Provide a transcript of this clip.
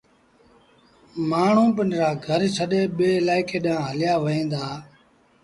مآڻهوٚݩ پنڊرآ گھر ڇڏي ٻي الآئيڪي ڏآنهن هليآوهيݩ دآ۔